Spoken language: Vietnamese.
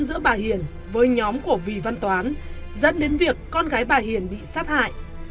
giữa bà hiền với nhóm của vì văn toán dẫn đến việc con gái bà hiền bị sát hại